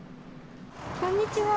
こんにちは。